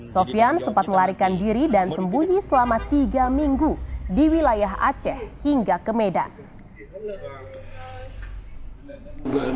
sofian sempat melarikan diri dan sembunyi selama tiga minggu di wilayah aceh hingga ke medan